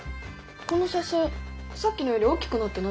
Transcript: この写真さっきのより大きくなってない？